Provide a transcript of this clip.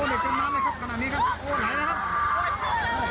โอ้เด็กจมน้้ำหน่อยครับขนาดนี้ครับโอ้หลายแล้วครับ